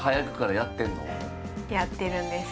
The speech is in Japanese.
やってるんです。